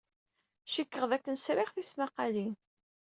Cikkeɣ dakken sriɣ tismaqqalin.